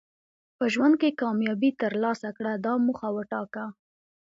په ژوند کې کامیابي ترلاسه کړه دا موخه وټاکه.